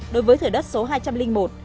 đối với thử đất số hai trăm linh một